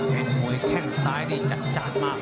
แก่งโมยแข้งซ้ายนี่จัดจานมาก